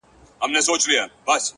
• په نازونو په نخرو به ورپسې سو,